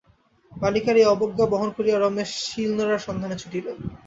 বালিকার এই অবজ্ঞা বহন করিয়া রমেশ শিল-নোড়ার সন্ধানে ছুটিল।